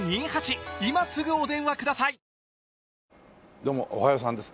どうもおはようさんです。